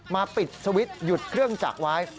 ปิดสวิตช์หยุดเครื่องจักรไว้